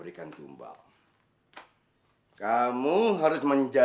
sekarang kamu pergi sana